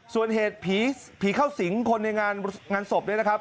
ส่วนเหตุผีผีเข้าสิงคนในงานศพเนี่ยนะครับ